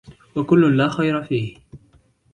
وَكُلٌّ لَا خَيْرَ فِيهِ